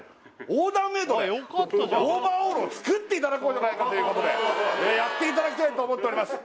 オーダーメイドでオーバーオールを作っていただこうじゃないかということでやっていただきたいと思っております